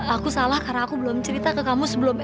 aku salah karena aku belum cerita ke kamu sebelumnya